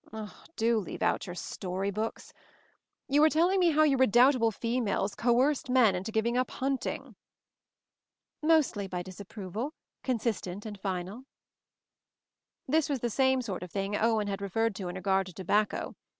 "Do leave out your story books. You were telling me how you redoubtable females coerced men into giving up hunting." "Mostly by disapproval, consistent and final." This was the same sort of thing Owen had referred to in regard to tobacco.